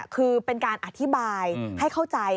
คือเป็นการอธิบายให้เข้าใจ